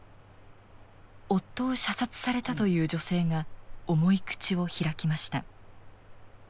夫を射殺されたという女性が重い口を開きました。